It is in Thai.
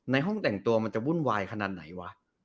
ห้องแต่งตัวมันจะวุ่นวายขนาดไหนวะ